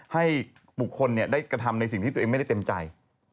ให้กระทำกับสิ่งที่ตัวเองไม่ได้ติดใจ